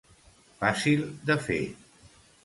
Fàcil de fer.